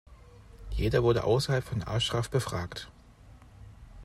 Jeder wurde außerhalb von Ashraf befragt.